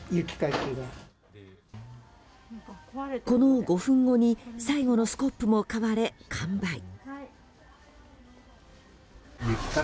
この５分後に最後のスコップも買われ、完売。